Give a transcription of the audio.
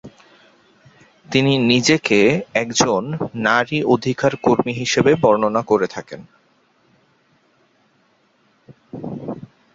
তিনি নিজেকে একজন নারী অধিকার কর্মী হিসাবে বর্ণনা করে থাকেন।